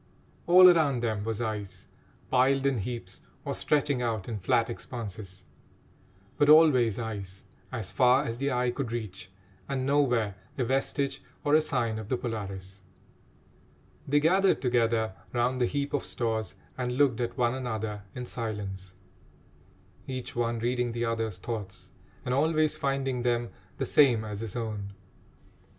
All around them was ice, piled in heaps, or stretching out in flat expanses; but always ice, as far as the eye could reach, and nowhere a vestige or a sign of the Polaris. They gathered together round the heap of stores and looked at one another in silence, each one reading the other's thoughts and always finding them the same as his own.